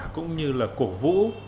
cũng như là cổ vũ